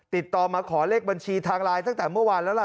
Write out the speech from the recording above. ติดต่อมาขอเลขบัญชีทางไลน์ตั้งแต่เมื่อวานแล้วล่ะ